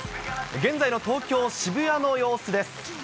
現在の東京・渋谷の様子です。